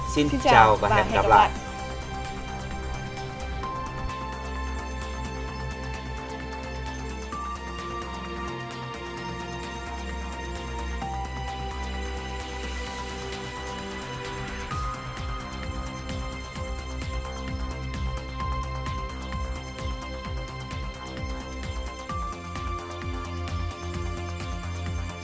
xin chào và hẹn gặp lại